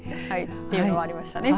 というのはありましたね。